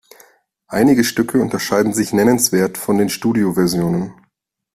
Einige Stücke unterscheiden sich nennenswert von den Studioversionen.